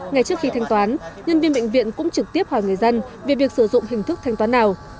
ngay trước khi thanh toán nhân viên bệnh viện cũng trực tiếp hỏi người dân về việc sử dụng hình thức thanh toán nào